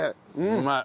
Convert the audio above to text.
うまい。